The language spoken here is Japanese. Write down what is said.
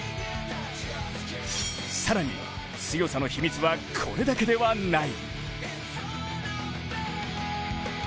更に、強さの秘密はこれだけではない。